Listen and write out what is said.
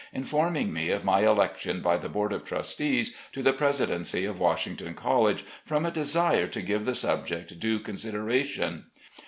informing me of my election by the board of trustees to the presidency of Washington College, from a desire to give the subject due consideration.